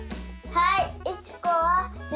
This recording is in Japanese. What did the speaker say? はい。